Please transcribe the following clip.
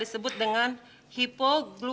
sebelum pgu hamil